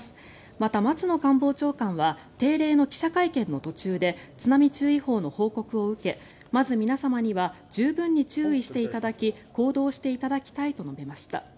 また、松野官房長官は定例の記者会見の途中で津波注意報の報告を受けまず皆様には十分に注意していただき報道していただきたいと述べました。